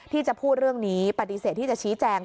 ที่จะพูดเรื่องนี้ปฏิเสธที่จะชี้แจง